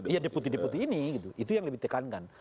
iya deputi deputi ini itu yang lebih ditekankan